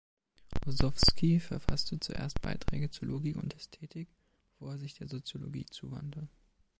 Ossowski verfasste zuerst Beiträge zu Logik und Ästhetik, bevor er sich der Soziologie zuwandte.